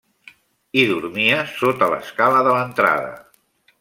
Hi dormia sota l'escala de l'entrada.